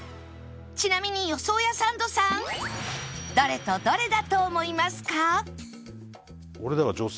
ちなみに予想屋サンドさんどれとどれだと思いますか？